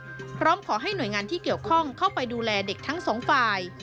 พร้อมขอให้หน่วยงานที่เกี่ยวข้องเข้าไปดูแลเด็กทั้งสองฝ่าย